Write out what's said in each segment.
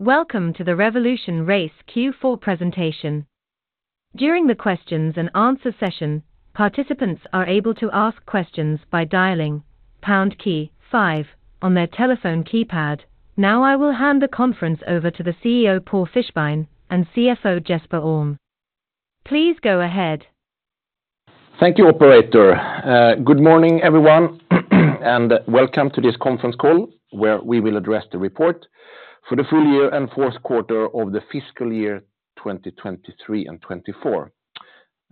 Welcome to the RevolutionRace Q4 Presentation. During the questions and answer session, participants are able to ask questions by dialing pound key five on their telephone keypad. Now, I will hand the conference over to the CEO, Paul Fischbein, and CFO, Jesper Alm. Please go ahead. Thank you, operator. Good morning, everyone, and welcome to this conference call, where we will address the report for the full year and fourth quarter of the fiscal year 2023 and 2024.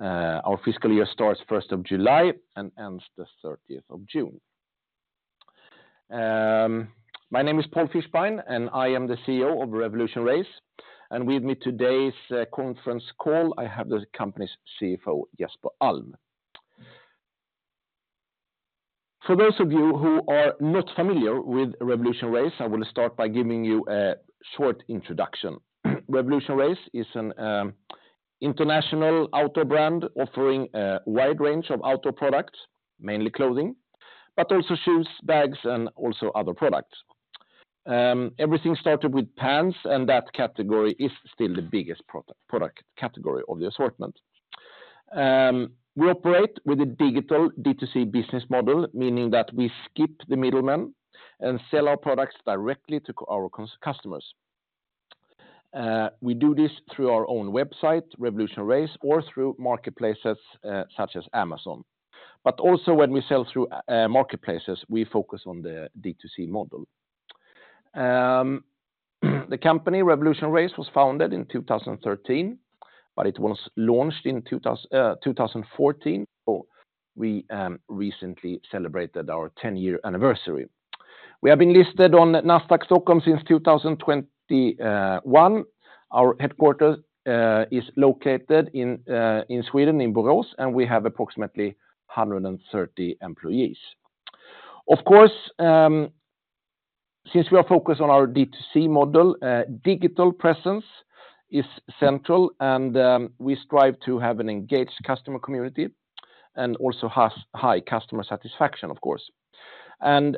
Our fiscal year starts the 1st of July and ends the 30th of June. My name is Paul Fischbein, and I am the CEO of RevolutionRace. With me today's conference call, I have the company's CFO, Jesper Alm. For those of you who are not familiar with RevolutionRace, I will start by giving you a short introduction. RevolutionRace is an international outdoor brand offering a wide range of outdoor products, mainly clothing, but also shoes, bags, and also other products. Everything started with pants, and that category is still the biggest product category of the assortment. We operate with a digital D2C business model, meaning that we skip the middleman and sell our products directly to our customers. We do this through our own website, RevolutionRace, or through marketplaces such as Amazon. But also, when we sell through marketplaces, we focus on the D2C model. The company, RevolutionRace, was founded in 2013, but it was launched in 2014. So we recently celebrated our 10-year anniversary. We have been listed on Nasdaq Stockholm since 2021. Our headquarters is located in Sweden, in Borås, and we have approximately 130 employees. Of course, since we are focused on our D2C model, digital presence is central, and we strive to have an engaged customer community and also has high customer satisfaction, of course. And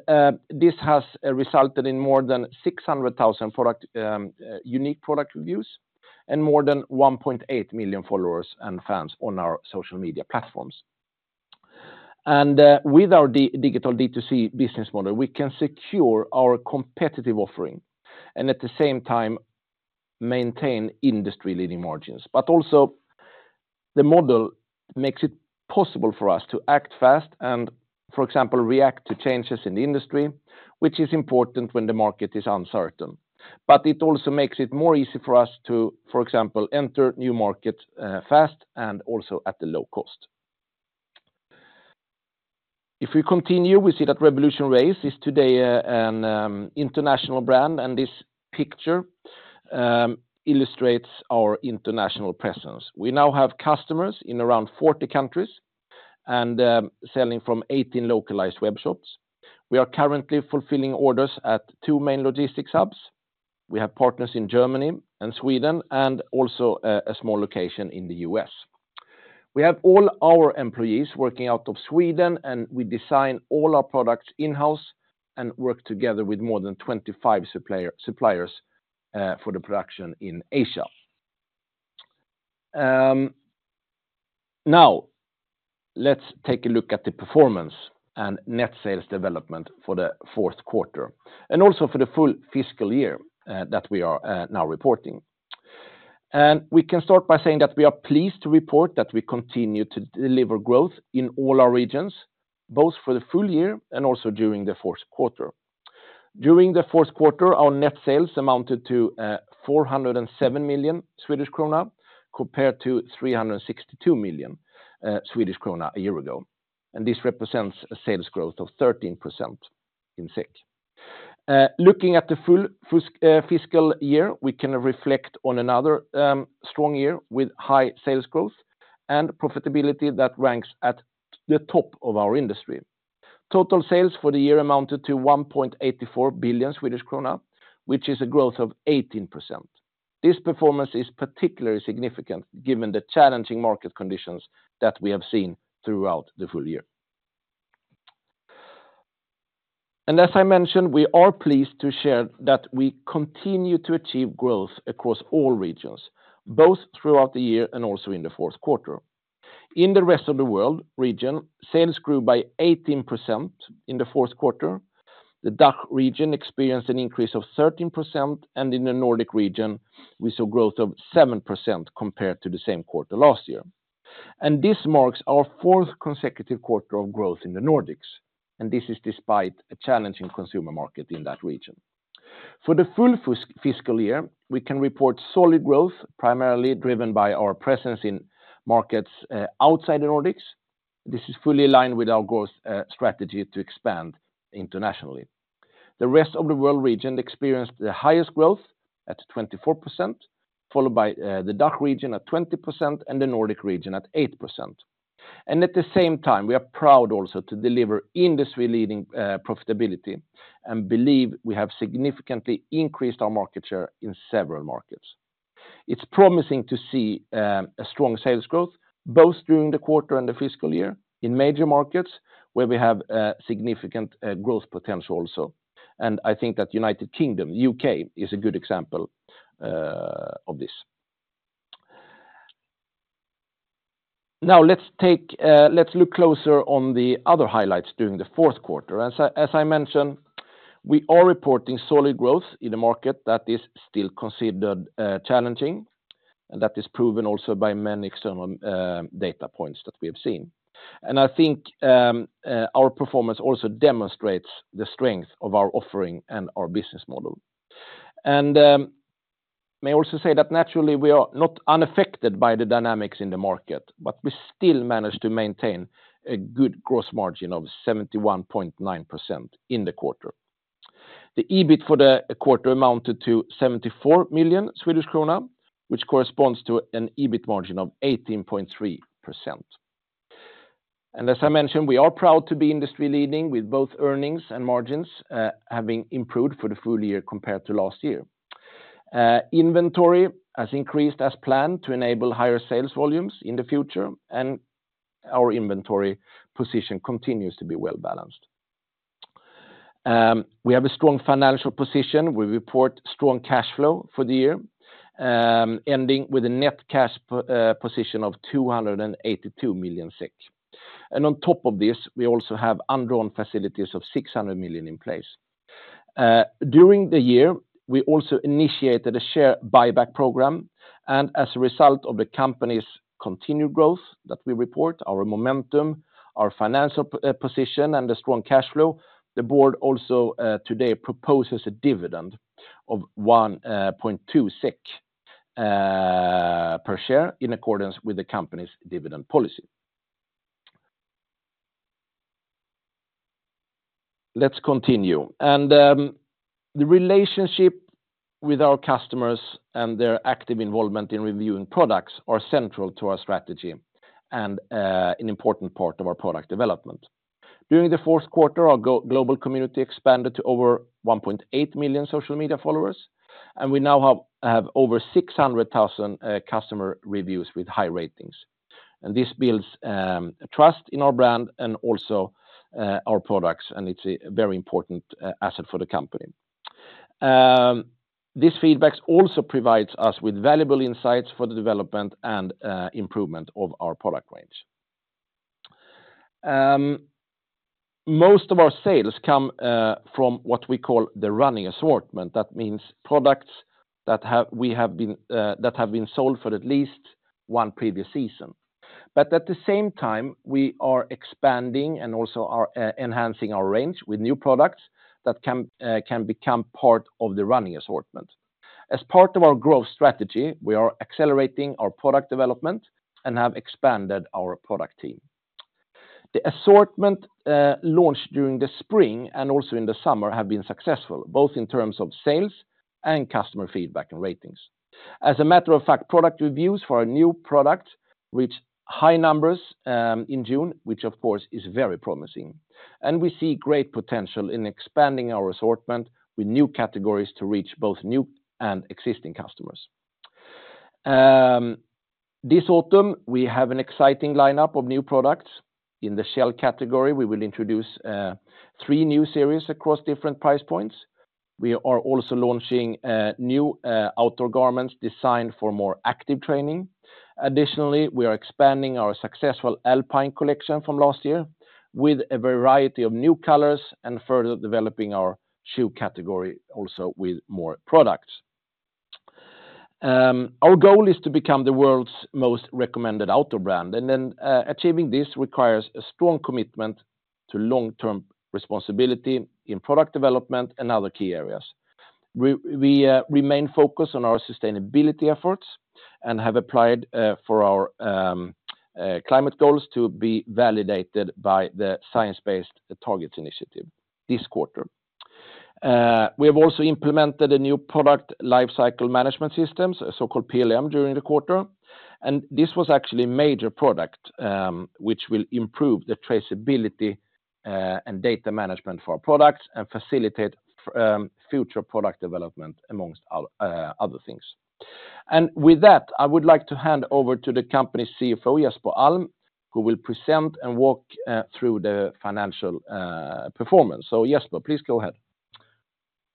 this has resulted in more than 600,000 product unique product reviews and more than 1.8 million followers and fans on our social media platforms. And with our digital D2C business model, we can secure our competitive offering and at the same time, maintain industry-leading margins. But also, the model makes it possible for us to act fast and, for example, react to changes in the industry, which is important when the market is uncertain. But it also makes it more easy for us to, for example, enter new markets fast and also at a low cost. If we continue, we see that RevolutionRace is today an international brand, and this picture illustrates our international presence. We now have customers in around 40 countries and selling from 18 localized web shops. We are currently fulfilling orders at two main logistics hubs. We have partners in Germany and Sweden, and also a small location in the U.S.. We have all our employees working out of Sweden, and we design all our products in-house and work together with more than 25 suppliers for the production in Asia. Now, let's take a look at the performance and net sales development for the fourth quarter, and also for the full fiscal year that we are now reporting. We can start by saying that we are pleased to report that we continue to deliver growth in all our regions, both for the full year and also during the fourth quarter. During the fourth quarter, our net sales amounted to 407 million Swedish krona, compared to 362 million Swedish krona a year ago, and this represents a sales growth of 13% in SEK. Looking at the full fiscal year, we can reflect on another strong year with high sales growth and profitability that ranks at the top of our industry. Total sales for the year amounted to 1.84 billion Swedish krona, which is a growth of 18%. This performance is particularly significant given the challenging market conditions that we have seen throughout the full year. As I mentioned, we are pleased to share that we continue to achieve growth across all regions, both throughout the year and also in the fourth quarter. In the Rest of the World region, sales grew by 18% in the fourth quarter. The DACH region experienced an increase of 13%, and in the Nordic region, we saw growth of 7% compared to the same quarter last year. This marks our fourth consecutive quarter of growth in the Nordics, and this is despite a challenging consumer market in that region. For the full fiscal year, we can report solid growth, primarily driven by our presence in markets outside the Nordics. This is fully aligned with our growth strategy to expand internationally. The Rest of the World region experienced the highest growth at 24%, followed by the DACH region at 20% and the Nordic region at 8%. At the same time, we are proud also to deliver industry-leading profitability and believe we have significantly increased our market share in several markets. It's promising to see a strong sales growth, both during the quarter and the fiscal year in major markets where we have significant growth potential also. I think that United Kingdom, U.K., is a good example of this. Now, let's look closer on the other highlights during the fourth quarter. As I mentioned, we are reporting solid growth in a market that is still considered challenging, and that is proven also by many external data points that we have seen. And I think, our performance also demonstrates the strength of our offering and our business model. And, may I also say that naturally, we are not unaffected by the dynamics in the market, but we still manage to maintain a good gross margin of 71.9% in the quarter. The EBIT for the quarter amounted to 74 million Swedish krona, which corresponds to an EBIT margin of 18.3%. And as I mentioned, we are proud to be industry-leading, with both earnings and margins, having improved for the full year compared to last year. Inventory has increased as planned to enable higher sales volumes in the future, and our inventory position continues to be well-balanced. We have a strong financial position. We report strong cash flow for the year, ending with a net cash position of 282 million SEK. On top of this, we also have undrawn facilities of 600 million in place. During the year, we also initiated a share buyback program, and as a result of the company's continued growth that we report, our momentum, our financial position, and the strong cash flow, the board also today proposes a dividend of 1.2 SEK per share, in accordance with the company's dividend policy. Let's continue. The relationship with our customers and their active involvement in reviewing products are central to our strategy and an important part of our product development. During the fourth quarter, our global community expanded to over 1.8 million social media followers, and we now have over 600,000 customer reviews with high ratings. And this builds trust in our brand and also our products, and it's a very important asset for the company. This feedback also provides us with valuable insights for the development and improvement of our product range. Most of our sales come from what we call the running assortment. That means products that have been sold for at least one previous season. But at the same time, we are expanding and also are enhancing our range with new products that can become part of the running assortment. As part of our growth strategy, we are accelerating our product development and have expanded our product team. The assortment launched during the spring and also in the summer have been successful, both in terms of sales and customer feedback and ratings. As a matter of fact, product reviews for our new product reached high numbers in June, which, of course, is very promising. We see great potential in expanding our assortment with new categories to reach both new and existing customers. This autumn, we have an exciting lineup of new products. In the shell category, we will introduce three new series across different price points. We are also launching new outdoor garments designed for more active training. Additionally, we are expanding our successful Alpine collection from last year with a variety of new colors and further developing our shoe category also with more products. Our goal is to become the world's most recommended outdoor brand, and then achieving this requires a strong commitment to long-term responsibility in product development and other key areas. We remain focused on our sustainability efforts and have applied for our climate goals to be validated by the Science Based Targets Initiative this quarter. We have also implemented a new product lifecycle management system, a so-called PLM, during the quarter, and this was actually a major project which will improve the traceability and data management for our products and facilitate future product development, amongst other things. With that, I would like to hand over to the company's CFO, Jesper Alm, who will present and walk through the financial performance. So Jesper, please go ahead.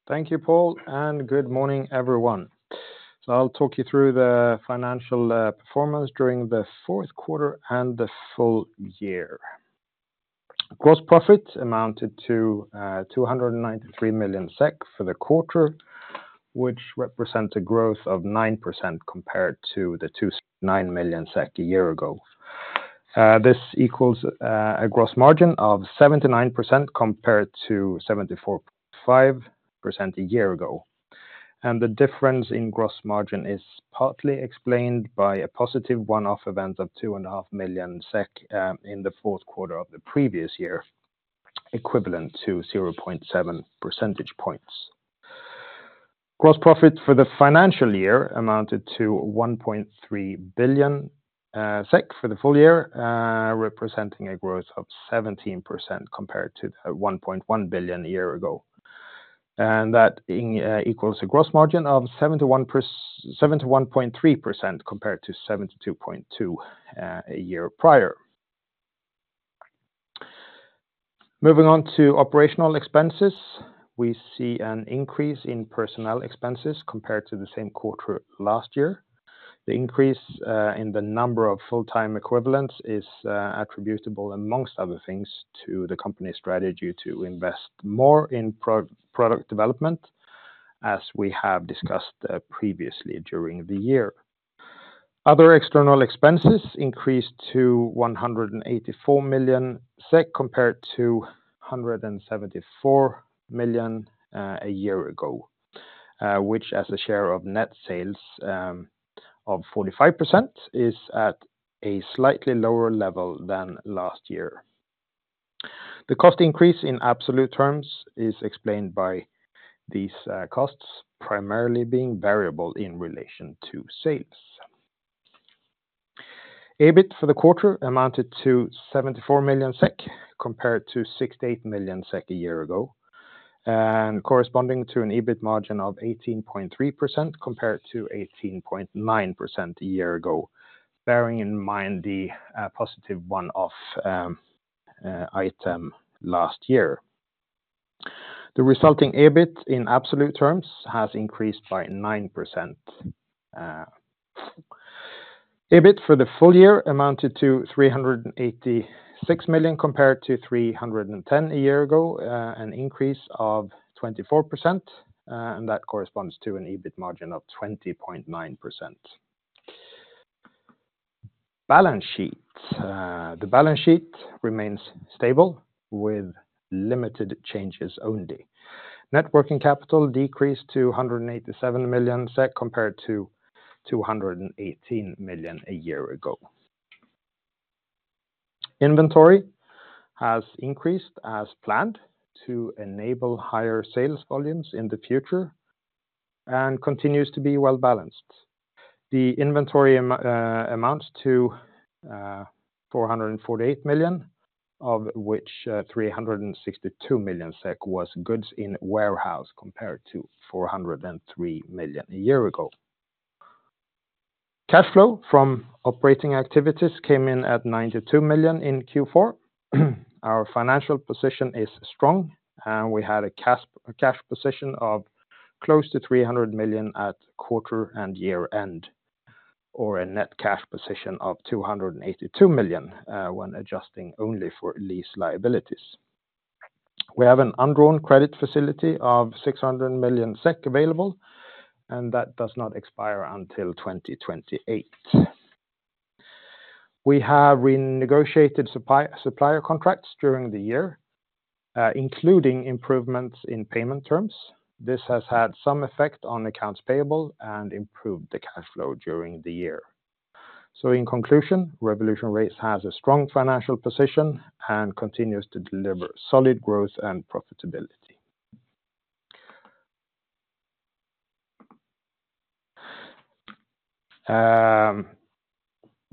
Thank you, Paul, and good morning, everyone. So I'll talk you through the financial performance during the fourth quarter and the full year. Gross profit amounted to 293 million SEK for the quarter, which represents a growth of 9% compared to 29 million SEK a year ago. This equals a gross margin of 79% compared to 74.5% a year ago. And the difference in gross margin is partly explained by a positive one-off event of 2.5 million SEK in the fourth quarter of the previous year, equivalent to 0.7 percentage points. Gross profit for the financial year amounted to 1.3 billion SEK for the full year, representing a growth of 17% compared to 1.1 billion a year ago. That equals a gross margin of 71.3%, compared to 72.2% a year prior. Moving on to operational expenses, we see an increase in personnel expenses compared to the same quarter last year. The increase in the number of full-time equivalents is attributable, amongst other things, to the company's strategy to invest more in product development, as we have discussed previously during the year. Other external expenses increased to 184 million SEK, compared to 174 million a year ago, which, as a share of net sales, of 45%, is at a slightly lower level than last year. The cost increase in absolute terms is explained by these costs primarily being variable in relation to sales. EBIT for the quarter amounted to 74 million SEK, compared to 68 million SEK a year ago, and corresponding to an EBIT margin of 18.3%, compared to 18.9% a year ago, bearing in mind the positive one-off item last year. The resulting EBIT in absolute terms has increased by 9%. EBIT for the full year amounted to 386 million, compared to 310 million a year ago, uh, an increase of 24%, uh, and that corresponds to an EBIT margin of 20.9%. Balance sheet. The balance sheet remains stable, with limited changes only. Net working capital decreased to 187 million SEK, compared to 218 million a year ago. Inventory has increased as planned to enable higher sales volumes in the future and continues to be well-balanced. The inventory amounts to 448 million, of which 362 million SEK was goods in warehouse, compared to 403 million a year ago. Cash flow from operating activities came in at 92 million in Q4. Our financial position is strong, and we had a cash position of close to 300 million at quarter and year-end, or a net cash position of 282 million when adjusting only for lease liabilities. We have an undrawn credit facility of 600 million SEK available, and that does not expire until 2028. We have renegotiated supplier contracts during the year, including improvements in payment terms. This has had some effect on accounts payable and improved the cash flow during the year. So in conclusion, RevolutionRace has a strong financial position and continues to deliver solid growth and profitability.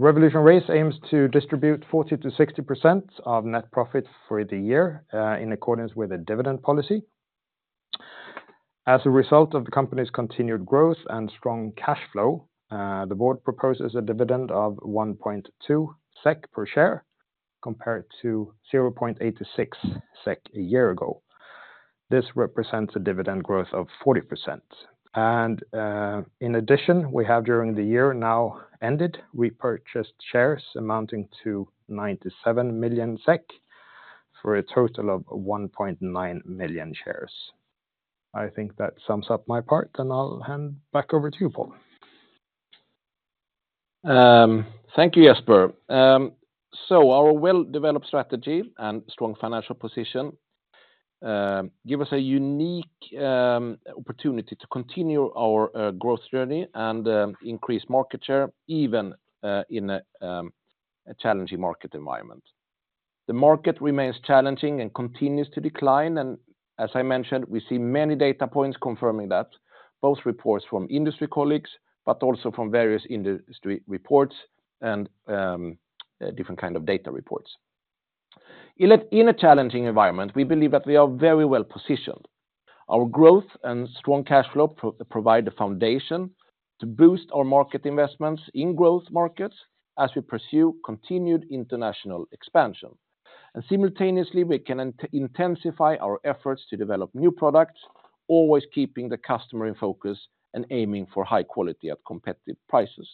RevolutionRace aims to distribute 40%-60% of net profits for the year, in accordance with the dividend policy. As a result of the company's continued growth and strong cash flow, the board proposes a dividend of 1.2 SEK per share, compared to 0.86 SEK a year ago. This represents a dividend growth of 40%. In addition, we have during the year now ended, we purchased shares amounting to 97 million SEK, for a total of 1.9 million shares. I think that sums up my part, and I'll hand back over to you, Paul. Thank you, Jesper. So our well-developed strategy and strong financial position give us a unique opportunity to continue our growth journey and increase market share, even in a challenging market environment. The market remains challenging and continues to decline, and as I mentioned, we see many data points confirming that, both reports from industry colleagues, but also from various industry reports and different kind of data reports. In a challenging environment, we believe that we are very well-positioned. Our growth and strong cash flow provide a foundation to boost our market investments in growth markets as we pursue continued international expansion. And simultaneously, we can intensify our efforts to develop new products, always keeping the customer in focus and aiming for high quality at competitive prices.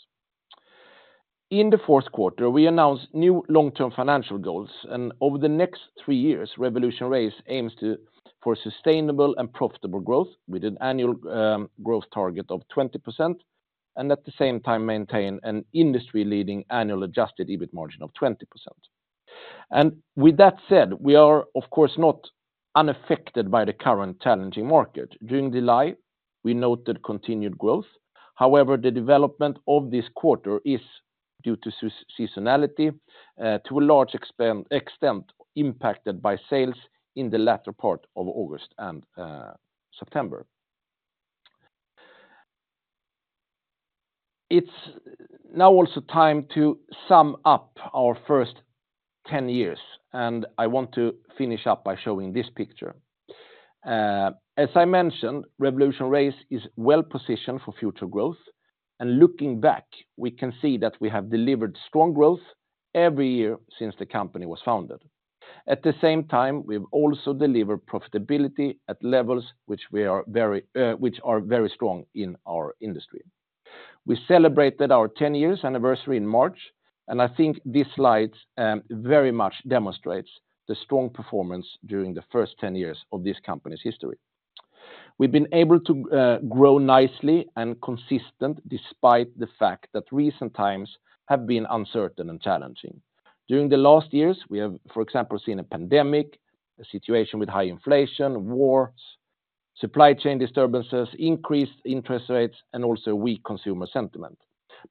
In the fourth quarter, we announced new long-term financial goals, and over the next three years, RevolutionRace aims to, for sustainable and profitable growth with an annual growth target of 20%, and at the same time, maintain an industry-leading annual adjusted EBIT margin of 20%. And with that said, we are, of course, not unaffected by the current challenging market. During July, we noted continued growth. However, the development of this quarter is due to seasonality, to a large extent impacted by sales in the latter part of August and September. It's now also time to sum up our first 10 years, and I want to finish up by showing this picture. As I mentioned, RevolutionRace is well-positioned for future growth, and looking back, we can see that we have delivered strong growth every year since the company was founded. At the same time, we've also delivered profitability at levels which we are very, which are very strong in our industry. We celebrated our 10 years anniversary in March, and I think this slide, very much demonstrates the strong performance during the first 10 years of this company's history. We've been able to grow nicely and consistent, despite the fact that recent times have been uncertain and challenging. During the last years, we have, for example, seen a pandemic, a situation with high inflation, wars, supply chain disturbances, increased interest rates, and also weak consumer sentiment.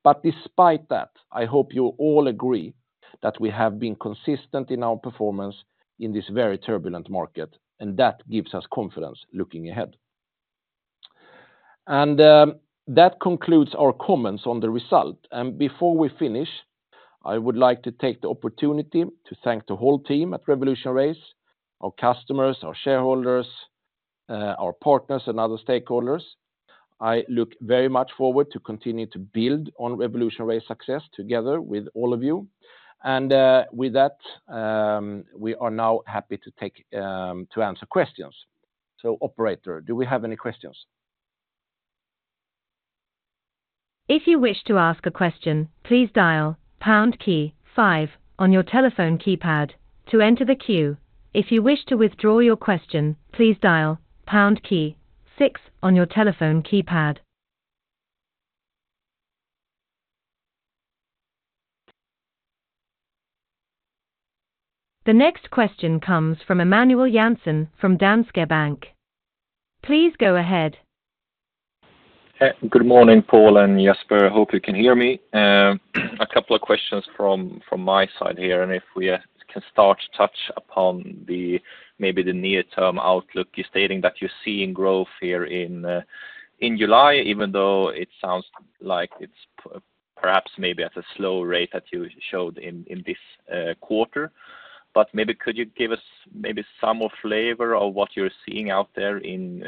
But despite that, I hope you'll all agree that we have been consistent in our performance in this very turbulent market, and that gives us confidence looking ahead. And, that concludes our comments on the result. Before we finish, I would like to take the opportunity to thank the whole team at RevolutionRace, our customers, our shareholders, our partners and other stakeholders. I look very much forward to continue to build on RevolutionRace success together with all of you. With that, we are now happy to take to answer questions. Operator, do we have any questions? If you wish to ask a question, please dial pound key five on your telephone keypad to enter the queue. If you wish to withdraw your question, please dial pound key six on your telephone keypad. The next question comes from Emanuel Jansson from Danske Bank. Please go ahead. Good morning, Paul and Jesper. I hope you can hear me. A couple of questions from my side here, and if we can start to touch upon the maybe the near-term outlook, you're stating that you're seeing growth here in July, even though it sounds like it's perhaps maybe at a slower rate that you showed in this quarter. But maybe could you give us maybe some more flavor of what you're seeing out there in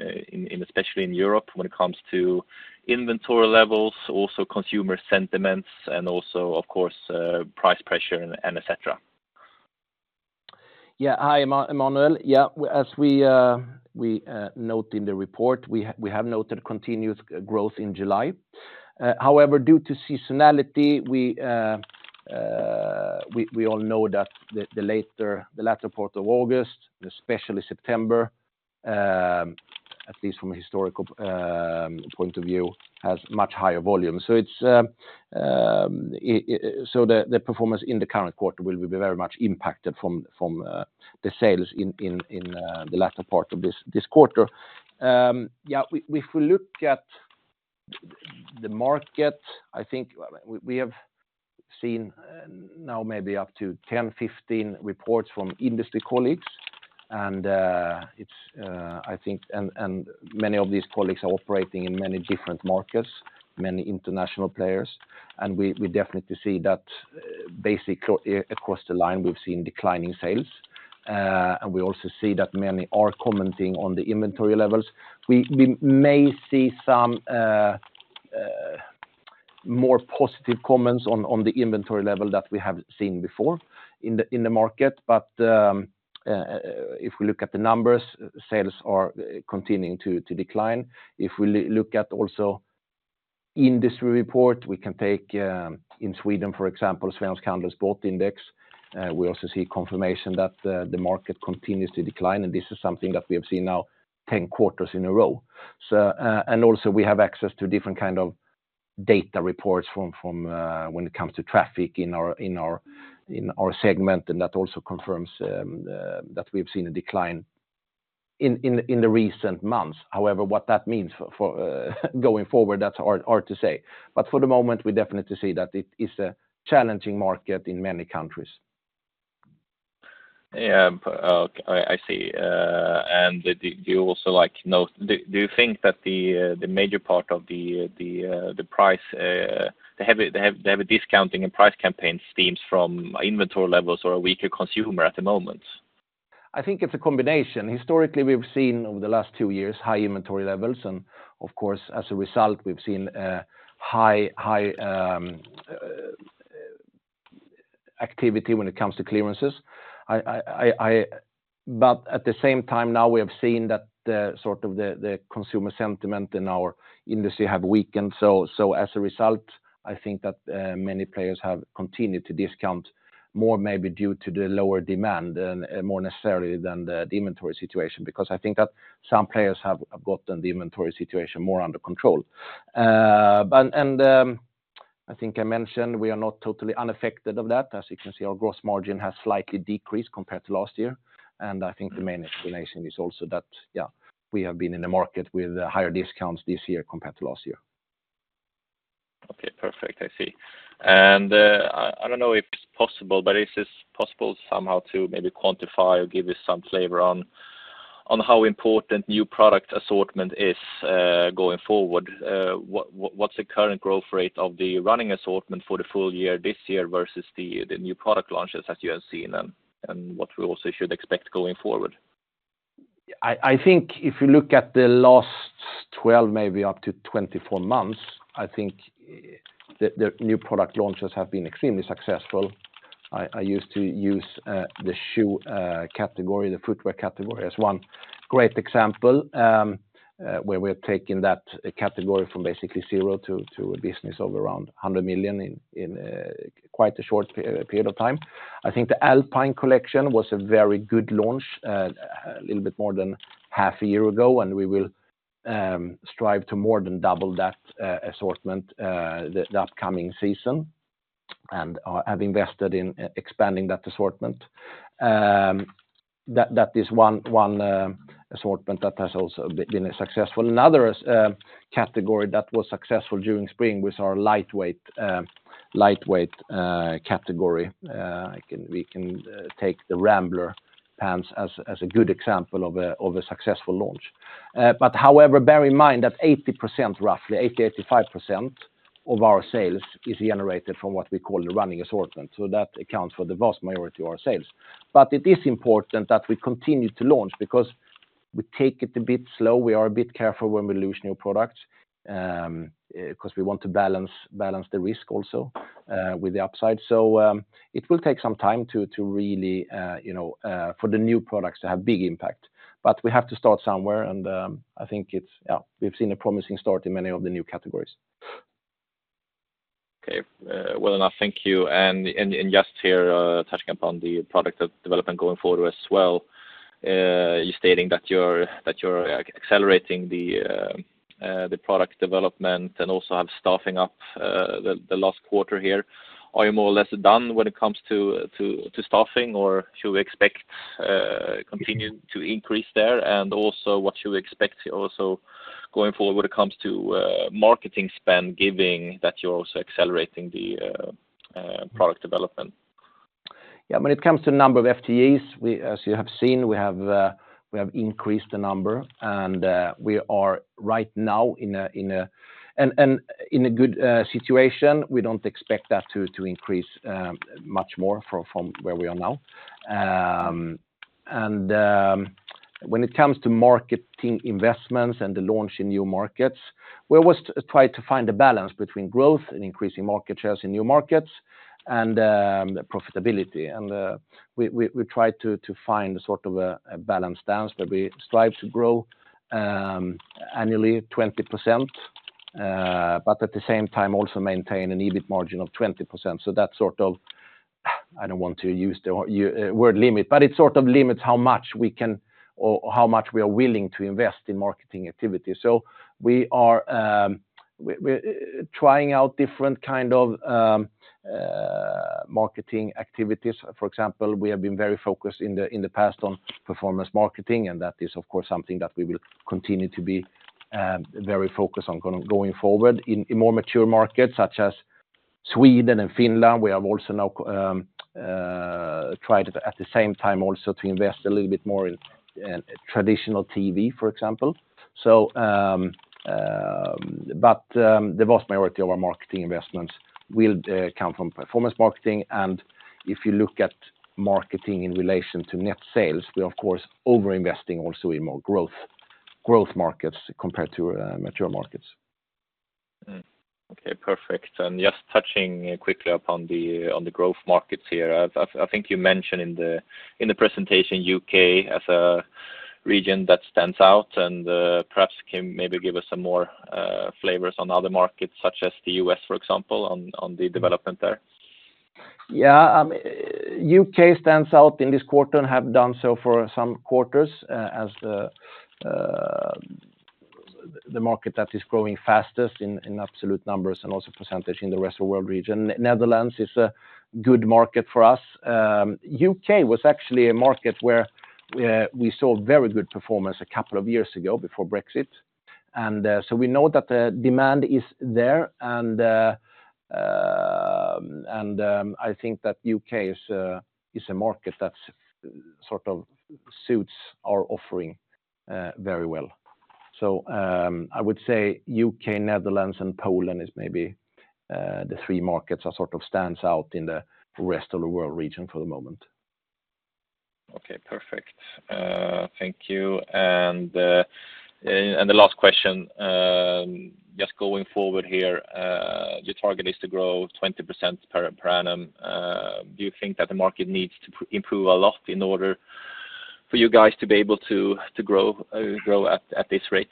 especially in Europe, when it comes to inventory levels, also consumer sentiments, and also, of course, price pressure and et cetera? Yeah. Hi, Emanuel. Yeah, as we note in the report, we have noted continuous growth in July. However, due to seasonality, we all know that the latter part of August, especially September, at least from a historical point of view, has much higher volume. So the performance in the current quarter will be very much impacted from the sales in the latter part of this quarter. Yeah, if we look at the market, I think we have seen now maybe up to 10-15 reports from industry colleagues, and it's I think... Many of these colleagues are operating in many different markets, many international players, and we definitely see that basically across the line, we've seen declining sales, and we also see that many are commenting on the inventory levels. We may see some more positive comments on the inventory level that we have seen before in the market, but if we look at the numbers, sales are continuing to decline. If we look at also industry report, we can take in Sweden, for example, Svensk Handel Sportindex, we also see confirmation that the market continues to decline, and this is something that we have seen now 10 quarters in a row. So, and also, we have access to different kind of data reports from, when it comes to traffic in our segment, and that also confirms that we've seen a decline in the recent months. However, what that means for going forward, that's hard, hard to say. But for the moment, we definitely see that it is a challenging market in many countries. Yeah, I see. And do you think that the major part of the price, the heavy discounting and price campaign stems from inventory levels or a weaker consumer at the moment? I think it's a combination. Historically, we've seen over the last two years high inventory levels, and of course, as a result, we've seen high activity when it comes to clearances. But at the same time now, we have seen that the consumer sentiment in our industry have weakened. So as a result, I think that many players have continued to discount more, maybe due to the lower demand, and more necessarily than the inventory situation, because I think that some players have gotten the inventory situation more under control. But I think I mentioned we are not totally unaffected of that. As you can see, our gross margin has slightly decreased compared to last year, and I think the main explanation is also that, yeah, we have been in the market with higher discounts this year compared to last year. Okay, perfect. I see. And, I don't know if it's possible, but is it possible somehow to maybe quantify or give you some flavor on how important new product assortment is, going forward. What, what's the current growth rate of the running assortment for the full year this year versus the new product launches that you have seen and what we also should expect going forward? I think if you look at the last 12, maybe up to 24 months, I think the new product launches have been extremely successful. I used to use the shoe category, the footwear category, as one great example, where we're taking that category from basically zero to a business of around 100 million in quite a short period of time. I think the Alpine collection was a very good launch, a little bit more than half a year ago, and we will strive to more than double that assortment the upcoming season, and have invested in expanding that assortment. That is one assortment that has also been successful. Another category that was successful during spring was our lightweight category. We can take the Rambler pants as a good example of a successful launch. But however, bear in mind that 80%, roughly 80%-85% of our sales is generated from what we call the running assortment, so that accounts for the vast majority of our sales. But it is important that we continue to launch because we take it a bit slow. We are a bit careful when we launch new products, 'cause we want to balance the risk also with the upside. So, it will take some time to really, you know, for the new products to have big impact. But we have to start somewhere, and I think it's... Yeah, we've seen a promising start in many of the new categories. Okay. Well enough, thank you. And just here, touching upon the product development going forward as well, you're stating that you're accelerating the product development and also have staffing up the last quarter here. Are you more or less done when it comes to staffing, or should we expect continued to increase there? And also, what should we expect also going forward when it comes to marketing spend, given that you're also accelerating the product development? Yeah, when it comes to number of FTEs, we, as you have seen, we have increased the number, and we are right now in a good situation. We don't expect that to increase much more from where we are now. And when it comes to marketing investments and the launch in new markets, we always try to find a balance between growth and increasing market shares in new markets and the profitability. And we try to find sort of a balanced answer, but we strive to grow annually 20%, but at the same time, also maintain an EBIT margin of 20%. So that sort of, I don't want to use the word limit, but it sort of limits how much we can or how much we are willing to invest in marketing activity. So we are trying out different kind of marketing activities. For example, we have been very focused in the past on performance marketing, and that is, of course, something that we will continue to be very focused on going forward. In more mature markets, such as Sweden and Finland, we have also now tried at the same time also to invest a little bit more in traditional TV, for example. The vast majority of our marketing investments will come from performance marketing, and if you look at marketing in relation to net sales, we're of course over-investing also in more growth markets compared to mature markets. Okay, perfect. And just touching quickly upon the growth markets here, I think you mentioned in the presentation U.K. as a region that stands out, and perhaps can maybe give us some more flavors on other markets, such as the U.S., for example, on the development there. Yeah, U.K. stands out in this quarter and have done so for some quarters, as the market that is growing fastest in absolute numbers and also percentage in the rest of world region. Netherlands is a good market for us. U.K. was actually a market where we saw very good performance a couple of years ago before Brexit. And so we know that the demand is there, and I think that U.K. is a market that sort of suits our offering very well. So I would say UK, Netherlands, and Poland is maybe the three markets that sort of stands out in the rest of the world region for the moment. Okay, perfect. Thank you. The last question, just going forward here, your target is to grow 20% per annum. Do you think that the market needs to improve a lot in order for you guys to be able to grow at this rate?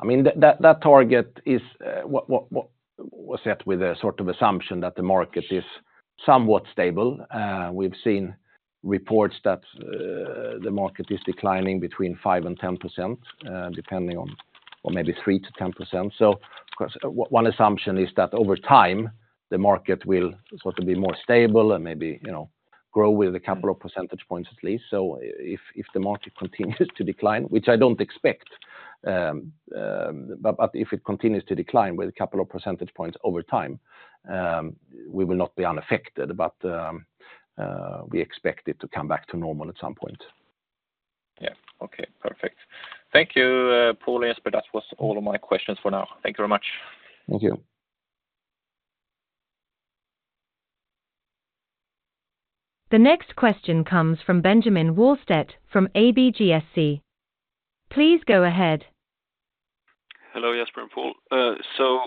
I mean, that target is what was set with a sort of assumption that the market is somewhat stable. We've seen reports that the market is declining between 5% and 10%, depending on, or maybe 3%-10%. So of course, one assumption is that over time, the market will sort of be more stable and maybe, you know, grow with a couple of percentage points at least. So if the market continues to decline, which I don't expect. But if it continues to decline with a couple of percentage points over time, we will not be unaffected, but we expect it to come back to normal at some point. Yeah. Okay, perfect. Thank you, Paul and Jesper. That was all of my questions for now. Thank you very much. Thank you. The next question comes from Benjamin Wahlstedt from ABGSC. Please go ahead. Hello, Jesper and Paul. So,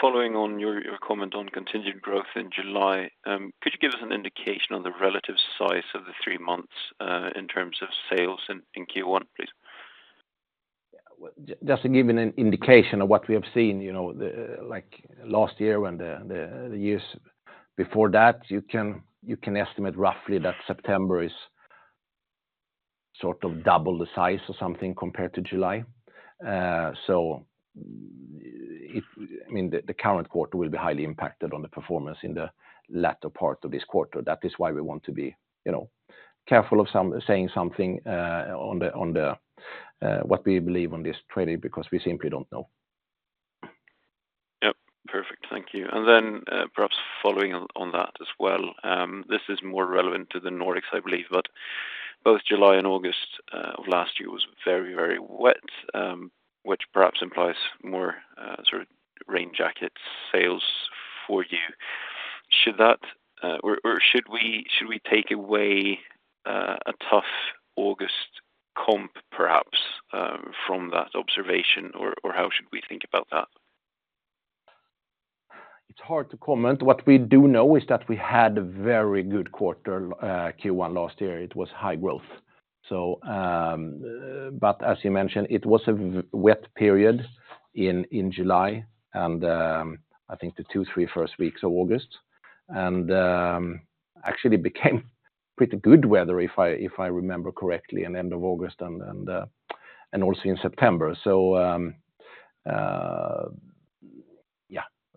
following on your, your comment on contingent growth in July, could you give us an indication on the relative size of the three months, in terms of sales in, in Q1, please? Yeah, well, just to give you an indication of what we have seen, you know, like last year when the years before that, you can estimate roughly that September is sort of double the size or something compared to July. So, I mean, the current quarter will be highly impacted on the performance in the latter part of this quarter. That is why we want to be, you know, careful of some saying something on the what we believe on this trading, because we simply don't know. Yep. Perfect. Thank you. And then, perhaps following on, on that as well, this is more relevant to the Nordics, I believe, but both July and August of last year was very, very wet, which perhaps implies more, sort of rain jacket sales for you. Should that, or, or should we, should we take away, a tough August comp, perhaps, from that observation, or, or how should we think about that? It's hard to comment. What we do know is that we had a very good quarter, Q1 last year. It was high growth. So, but as you mentioned, it was a wet period in July and, I think the two, three first weeks of August. And actually became pretty good weather, if I remember correctly, in end of August and also in September. So,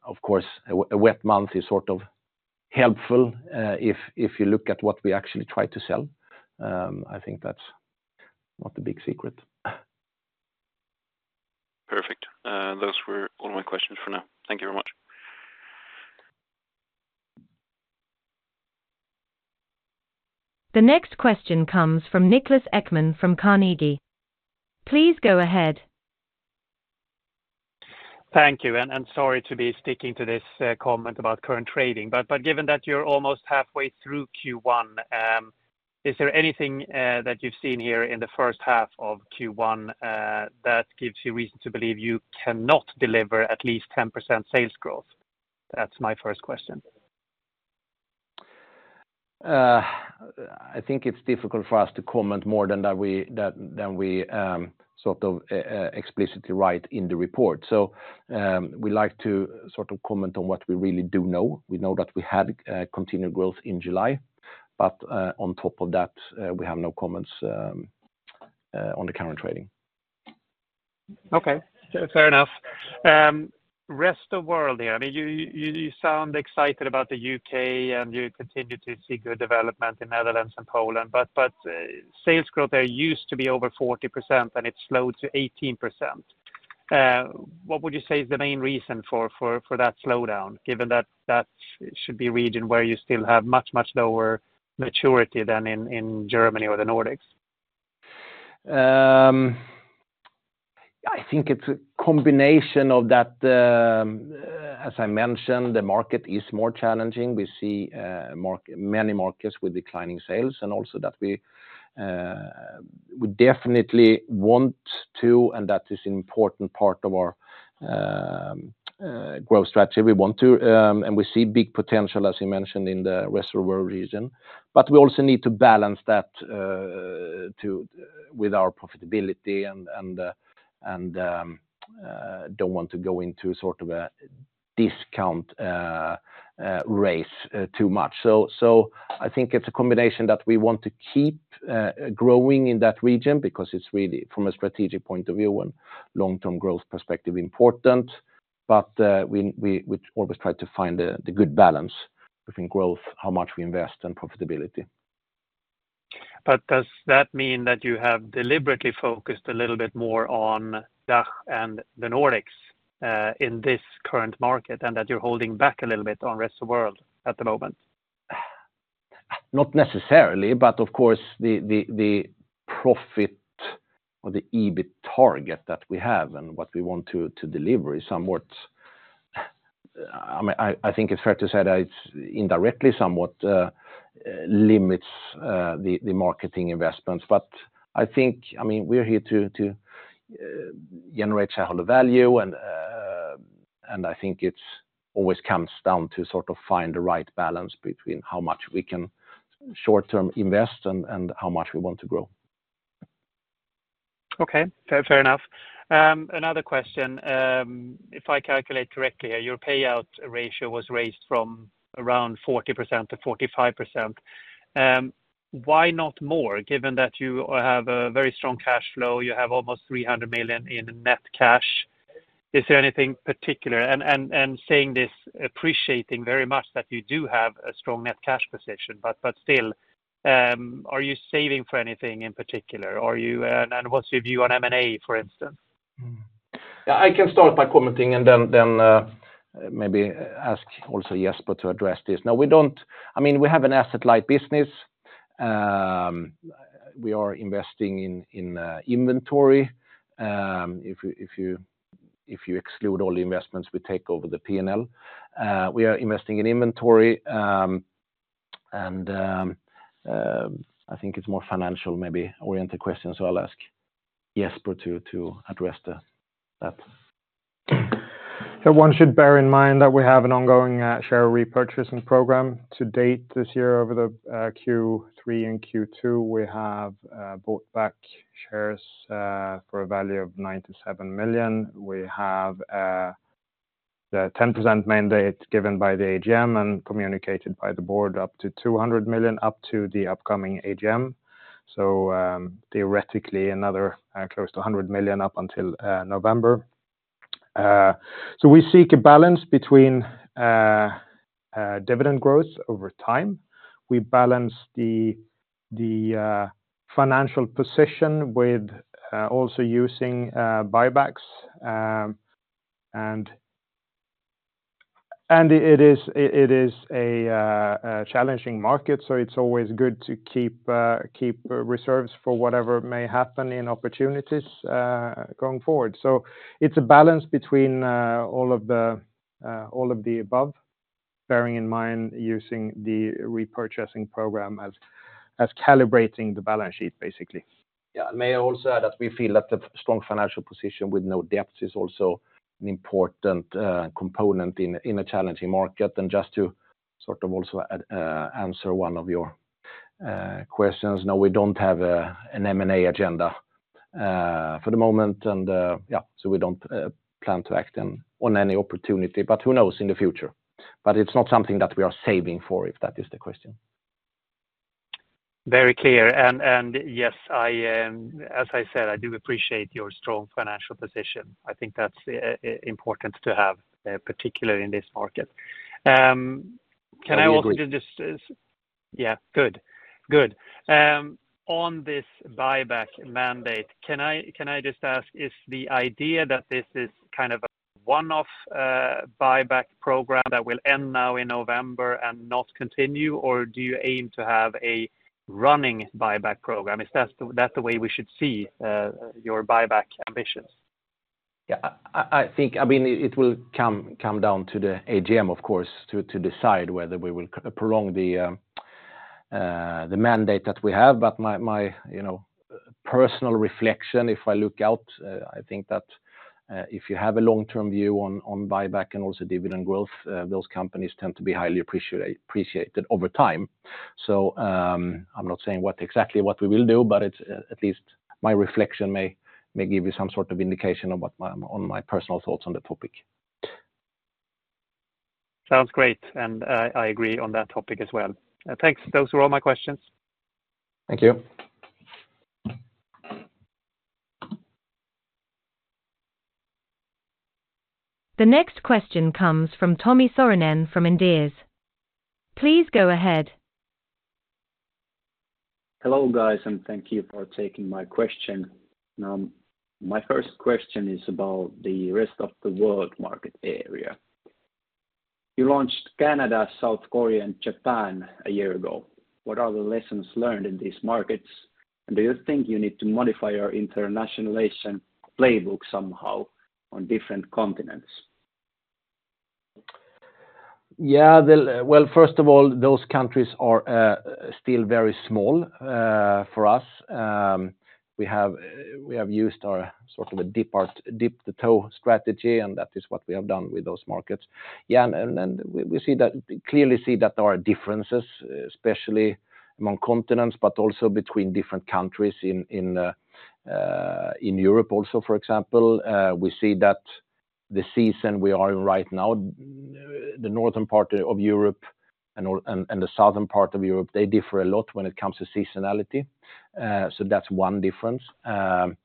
of course, a wet month is sort of helpful, if you look at what we actually try to sell. I think that's not a big secret. Perfect. Those were all my questions for now. Thank you very much. The next question comes from Niklas Ekman from Carnegie. Please go ahead. Thank you, and sorry to be sticking to this comment about current trading, but given that you're almost halfway through Q1, is there anything that you've seen here in the first half of Q1 that gives you reason to believe you cannot deliver at least 10% sales growth? That's my first question. I think it's difficult for us to comment more than that we sort of explicitly write in the report. So, we like to sort of comment on what we really do know. We know that we had continued growth in July, but on top of that, we have no comments on the current trading. Okay, fair enough. Rest of world here, I mean, you sound excited about the U.K., and you continue to see good development in Netherlands and Poland, but sales growth there used to be over 40% and it slowed to 18%. What would you say is the main reason for that slowdown, given that that should be a region where you still have much lower maturity than in Germany or the Nordics? I think it's a combination of that, as I mentioned, the market is more challenging. We see many markets with declining sales, and also that we definitely want to, and that is an important part of our growth strategy. We want to, and we see big potential, as you mentioned, in the rest of world region. But we also need to balance that with our profitability and don't want to go into sort of a discount race too much. So I think it's a combination that we want to keep growing in that region because it's really from a strategic point of view and long-term growth perspective, important. But we always try to find the good balance between growth, how much we invest, and profitability. But does that mean that you have deliberately focused a little bit more on DACH and the Nordics in this current market, and that you're holding back a little bit on rest of world at the moment? Not necessarily, but of course, the profit or the EBIT target that we have and what we want to deliver is somewhat. I mean, I think it's fair to say that it's indirectly somewhat limits the marketing investments. But I think, I mean, we're here to generate shareholder value, and I think it's always comes down to sort of find the right balance between how much we can short-term invest and how much we want to grow. Okay, fair, fair enough. Another question, if I calculate correctly here, your payout ratio was raised from around 40%-45%. Why not more, given that you have a very strong cash flow, you have almost 300 million in net cash? Is there anything particular? And, and, and saying this, appreciating very much that you do have a strong net cash position, but, but still, are you saving for anything in particular? Are you, and what's your view on M&A, for instance? Yeah, I can start by commenting, and then maybe ask also Jesper to address this. Now, I mean, we have an asset-light business. We are investing in inventory. If you exclude all the investments we take over the P&L. We are investing in inventory, and I think it's more financial maybe oriented question, so I'll ask Jesper to address that. So one should bear in mind that we have an ongoing share repurchasing program. To date, this year over the Q3 and Q2, we have bought back shares for a value of 97 million. We have the 10% mandate given by the AGM and communicated by the Board up to 200 million, up to the upcoming AGM, so theoretically, another close to 100 million up until November. So we seek a balance between dividend growth over time. We balance the financial position with also using buybacks. And it is a challenging market, so it's always good to keep reserves for whatever may happen in opportunities going forward. So it's a balance between all of the above, bearing in mind using the repurchasing program as calibrating the balance sheet, basically. Yeah, may I also add that we feel that the strong financial position with no debts is also an important component in a challenging market. And just to sort of also add, answer one of your questions. No, we don't have an M&A agenda for the moment, and yeah, so we don't plan to act on any opportunity, but who knows in the future? But it's not something that we are saving for, if that is the question. Very clear. And yes, as I said, I do appreciate your strong financial position. I think that's important to have, particularly in this market. Can I also just- I agree. Yeah, good. Good. On this buyback mandate, can I, can I just ask, is the idea that this is kind of a one-off buyback program that will end now in November and not continue, or do you aim to have a running buyback program? Is that the way we should see your buyback ambitions? Yeah, I think, I mean, it will come down to the AGM, of course, to decide whether we will prolong the mandate that we have. But my you know, personal reflection, if I look out, I think that if you have a long-term view on buyback and also dividend growth, those companies tend to be highly appreciated over time. So, I'm not saying what exactly we will do, but it's at least my reflection may give you some sort of indication on what my personal thoughts on the topic. Sounds great, and, I agree on that topic as well. Thanks. Those were all my questions. Thank you. The next question comes from Tommi Saarinen from Inderes. Please go ahead. Hello, guys, and thank you for taking my question. My first question is about the rest of the world market area. You launched Canada, South Korea, and Japan a year ago. What are the lessons learned in these markets, and do you think you need to modify your internationalization playbook somehow on different continents? Yeah, well, first of all, those countries are still very small for us. We have used our sort of dip the toe strategy, and that is what we have done with those markets. Yeah, we see that, clearly see that there are differences, especially among continents, but also between different countries in Europe also, for example. We see that the season we are in right now, the northern part of Europe and the southern part of Europe, they differ a lot when it comes to seasonality. So that's one difference that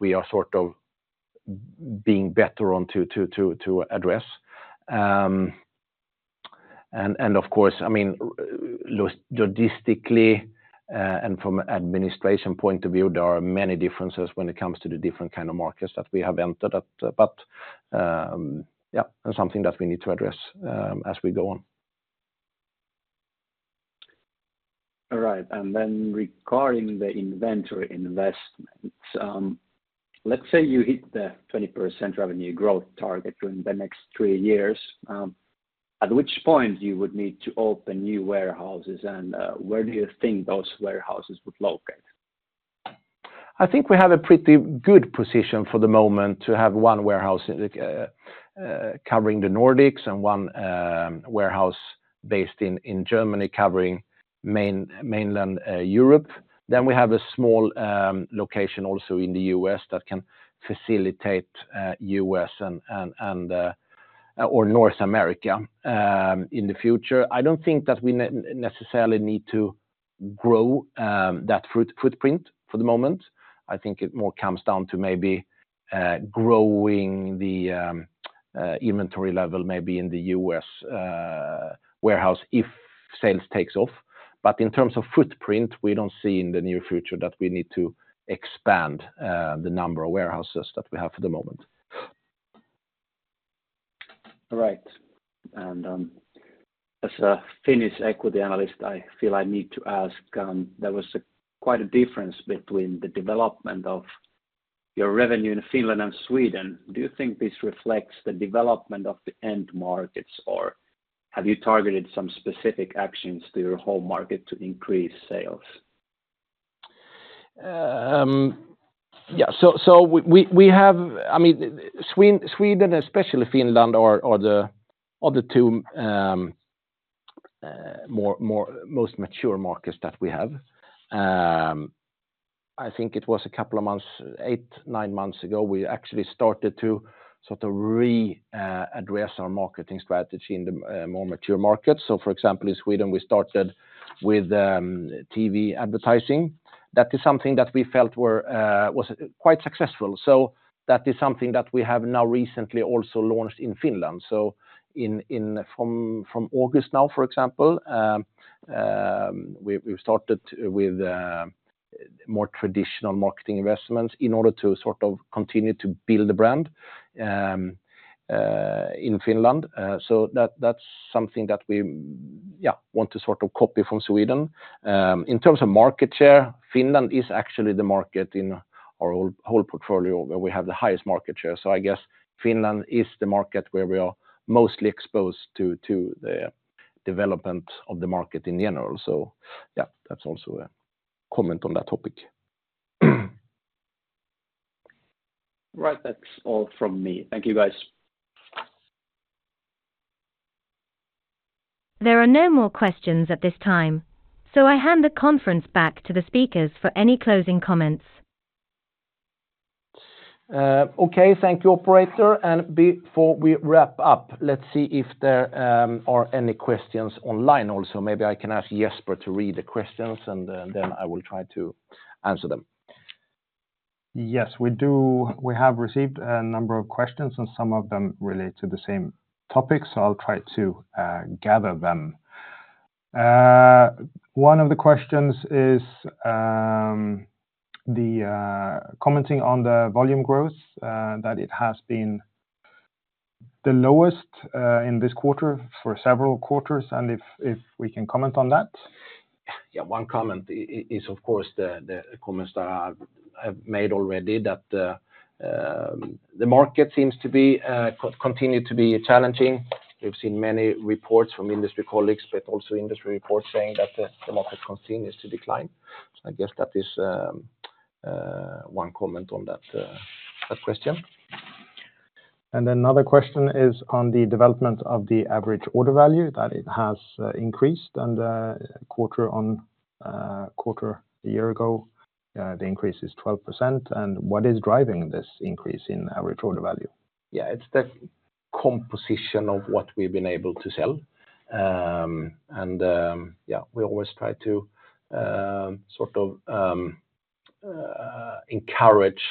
we are sort of being better on to address. Of course, I mean, logistically, and from administration point of view, there are many differences when it comes to the different kind of markets that we have entered at. But yeah, that's something that we need to address, as we go on. All right, and then regarding the inventory investments, let's say you hit the 20% revenue growth target during the next three years, at which point you would need to open new warehouses, and where do you think those warehouses would locate? I think we have a pretty good position for the moment to have one warehouse covering the Nordics and one warehouse based in Germany covering mainland Europe. Then we have a small location also in the U.S. that can facilitate U.S. and or North America. In the future, I don't think that we necessarily need to grow that footprint for the moment. I think it more comes down to maybe growing the inventory level, maybe in the U.S. warehouse, if sales takes off. But in terms of footprint, we don't see in the near future that we need to expand the number of warehouses that we have for the moment. All right. As a Finnish equity analyst, I feel I need to ask, there was quite a difference between the development of your revenue in Finland and Sweden. Do you think this reflects the development of the end markets, or have you targeted some specific actions to your home market to increase sales? Yeah, so we have—I mean, Sweden, especially Finland, are the most mature markets that we have. I think it was a couple of months, eight, nine months ago, we actually started to sort of address our marketing strategy in the more mature markets. So for example, in Sweden, we started with TV advertising. That is something that we felt was quite successful. So that is something that we have now recently also launched in Finland. From August now, for example, we've started with more traditional marketing investments in order to sort of continue to build the brand in Finland. So that's something that we yeah want to sort of copy from Sweden. In terms of market share, Finland is actually the market in our whole portfolio, where we have the highest market share. So I guess Finland is the market where we are mostly exposed to the development of the market in general. So yeah, that's also a comment on that topic. Right. That's all from me. Thank you, guys. There are no more questions at this time, so I hand the conference back to the speakers for any closing comments. Okay. Thank you, operator. And before we wrap up, let's see if there are any questions online also. Maybe I can ask Jesper to read the questions, and then I will try to answer them. Yes, we do. We have received a number of questions, and some of them relate to the same topic, so I'll try to gather them. One of the questions is commenting on the volume growth that it has been the lowest in this quarter for several quarters, and if we can comment on that? Yeah, one comment is, of course, the comments that I've made already, that the market seems to be continued to be challenging. We've seen many reports from industry colleagues, but also industry reports saying that the market continues to decline. So I guess that is one comment on that that question. Another question is on the development of the average order value, that it has increased and quarter-on-quarter a year ago, the increase is 12%. What is driving this increase in average order value? Yeah, it's the composition of what we've been able to sell. Yeah, we always try to sort of encourage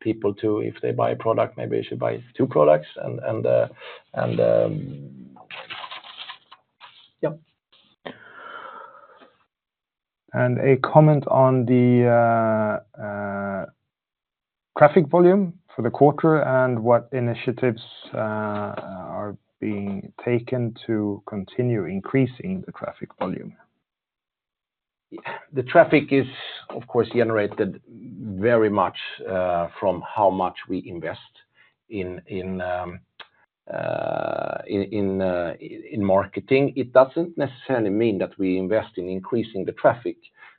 people to, if they buy a product, maybe they should buy two products, and yeah. A comment on the traffic volume for the quarter, and what initiatives are being taken to continue increasing the traffic volume. The traffic is, of course, generated very much from how much we invest in marketing. It doesn't necessarily mean that we invest in increasing the traffic,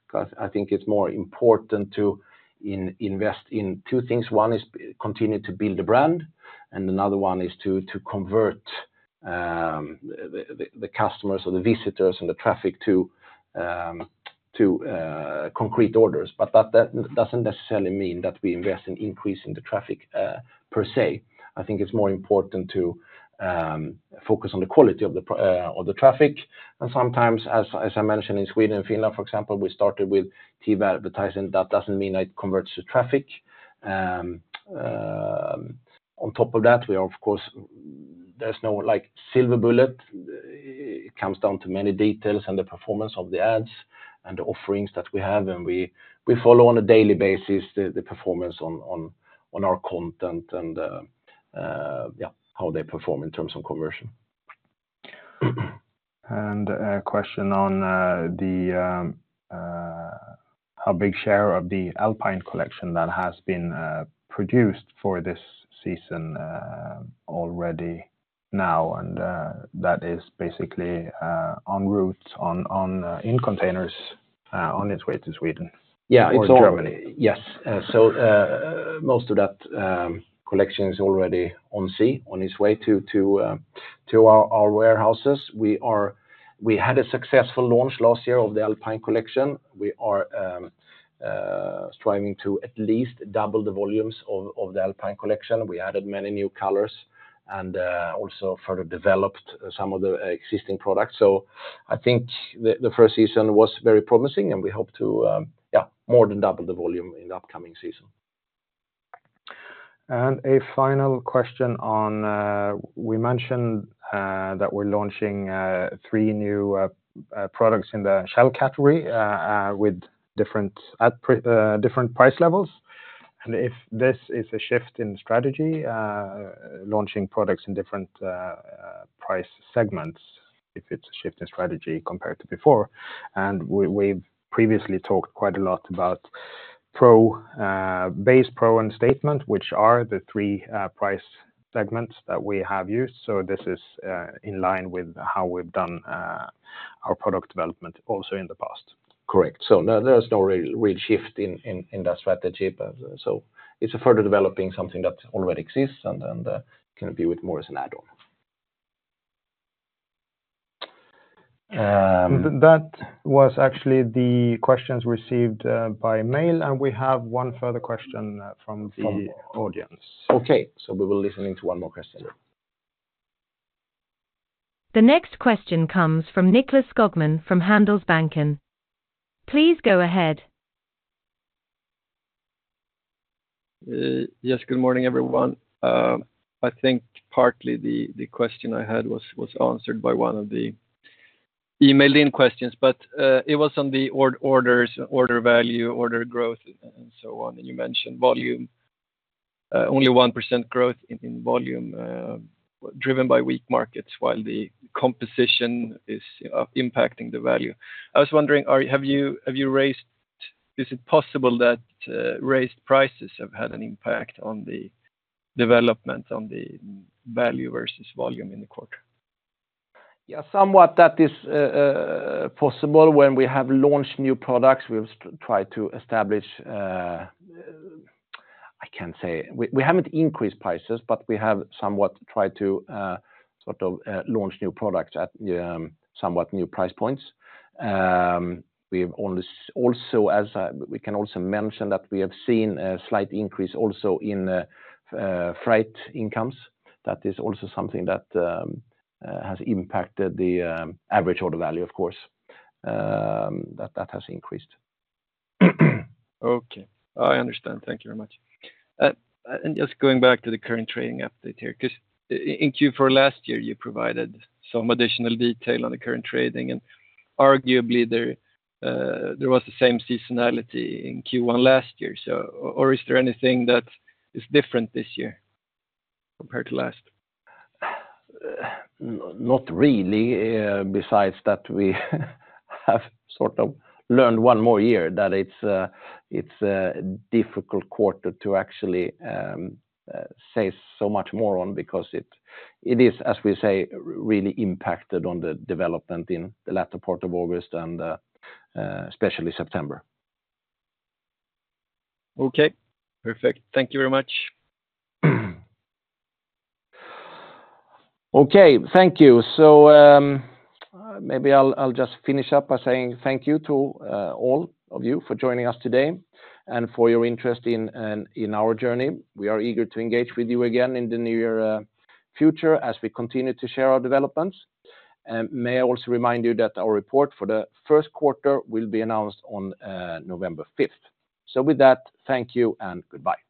because I think it's more important to invest in two things. One is continue to build a brand, and another one is to convert the customers or the visitors and the traffic to concrete orders. But that doesn't necessarily mean that we invest in increasing the traffic per se. I think it's more important to focus on the quality of the traffic. And sometimes, as I mentioned, in Sweden and Finland, for example, we started with TV advertising. That doesn't mean it converts to traffic. On top of that, we are, of course... There's no, like, silver bullet. It comes down to many details and the performance of the ads and the offerings that we have, and we follow on a daily basis the performance on our content and, yeah, how they perform in terms of conversion. A question on how big share of the Alpine collection that has been produced for this season already now, and that is basically on route in containers on its way to Sweden- Yeah, it's all- or Germany. Yes. So, most of that collection is already on sea, on its way to our warehouses. We had a successful launch last year of the Alpine collection. We are striving to at least double the volumes of the Alpine collection. We added many new colors and also further developed some of the existing products. So I think the first season was very promising, and we hope to, yeah, more than double the volume in the upcoming season. And a final question on, we mentioned, that we're launching, three new products in the shell category, with different price levels, and if this is a shift in strategy, launching products in different price segments, if it's a shift in strategy compared to before? And we, we've previously talked quite a lot about Pro, Base, Pro, and Statement, which are the three price segments that we have used. So this is, in line with how we've done, our product development also in the past. Correct. So no, there's no real, real shift in that strategy. But so it's a further developing something that already exists, and then can be with more as an add-on. That was actually the questions received by mail, and we have one further question from the audience. Okay, we will be listening to one more question. The next question comes from Nicklas Skogman from Handelsbanken. Please go ahead. Yes, good morning, everyone. I think partly the question I had was answered by one of the emailed-in questions, but it was on the orders, order value, order growth, and so on. And you mentioned volume. Only 1% growth in volume, driven by weak markets, while the composition is impacting the value. I was wondering, have you raised prices? Is it possible that raised prices have had an impact on the development, on the value versus volume in the quarter? Yeah, somewhat that is possible. When we have launched new products, we've tried to establish. I can say we haven't increased prices, but we have somewhat tried to sort of launch new products at somewhat new price points. We've only also as we can also mention that we have seen a slight increase also in freight incomes. That is also something that has impacted the average order value, of course, that has increased. Okay, I understand. Thank you very much. And just going back to the current trading update here, 'cause in Q4 last year, you provided some additional detail on the current trading, and arguably there, there was the same seasonality in Q1 last year, so... Or, is there anything that is different this year compared to last? Not really, besides that we have sort of learned one more year that it's a difficult quarter to actually say so much more on because it is, as we say, really impacted on the development in the latter part of August and, especially September. Okay, perfect. Thank you very much. Okay, thank you. Maybe I'll just finish up by saying thank you to all of you for joining us today and for your interest in our journey. We are eager to engage with you again in the near future as we continue to share our developments. And may I also remind you that our report for the first quarter will be announced on November fifth. So with that, thank you and goodbye.